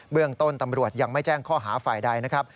เรื่องต้นตำรวจยังไม่แจ้งข้อหาฝ่ายใดนะครับ